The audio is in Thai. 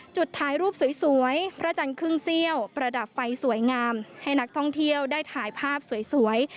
จุดถ่ายรูปสวยพระจันทร์ครึ่งเซี่ยวประดับไฟสวยงามให้นักท่องเที่ยวได้ถ่ายภาพสวย